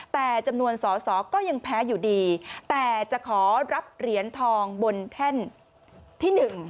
แต่จำนวนสอสอก็ยังแพ้อยู่ดีแต่จะขอรับเหรียญทองบนแท่นที่๑